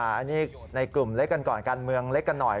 อันนี้ในกลุ่มเล็กกันก่อนการเมืองเล็กกันหน่อย